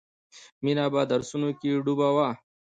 مینه په درسونو کې ډوبه وه